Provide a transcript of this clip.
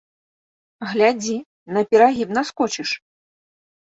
Глядзі, на перагіб наскочыш.